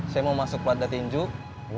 saya mau masuk pada tinjuk